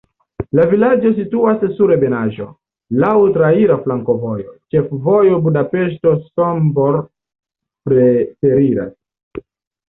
La vilaĝo situas sur ebenaĵo, laŭ traira flankovojo, ĉefvojo Budapeŝto-Sombor preteriras.